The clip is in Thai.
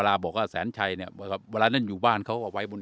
ลาบอกว่าแสนชัยเนี่ยเบิียดวันนั้นอยู่บ้านเขาเอาไว้บน